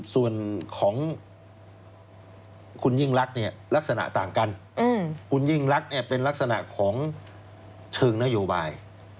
ส่วนของคุณยิ่งรักเนี่ยลักษณะต่างกันคุณยิ่งรักเป็นลักษณะของเชิงนโยบาย